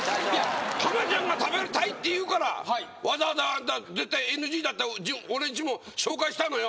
浜ちゃんが食べたいって言うからわざわざあんた絶対ＮＧだった俺んちも紹介したのよ